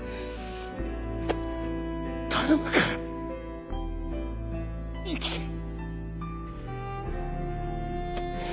頼むから生きて！